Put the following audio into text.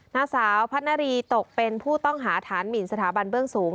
นางสาวพัฒนารีตกเป็นผู้ต้องหาฐานหมินสถาบันเบื้องสูง